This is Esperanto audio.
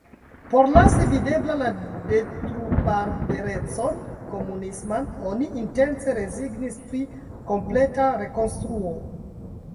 Por lasi videbla la detrubarbarecon komunisman oni intence rezignis pri kompleta rekonstruo.